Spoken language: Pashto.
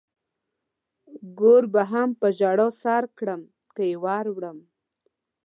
ګور به هم په ژړا سر کړم که يې ور وړم.